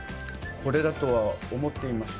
これだとは思っていました。